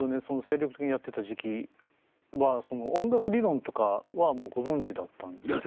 精力的にやってた時期はその音楽理論とかはもうご存じだったんですか？